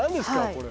これ。